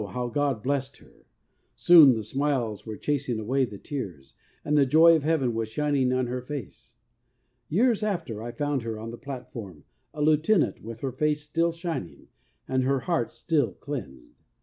how God blessed her ! Soon the smiles were chasing away the tears, and the joy of Heaven was shining on her face. Years after, I found her on the platform, a Lieutenant, with her face still shining, and her heart still cleansed.